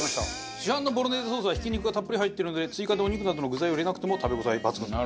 市販のボロネーゼソースはひき肉がたっぷり入ってるので追加でお肉などの具材を入れなくても食べ応え抜群。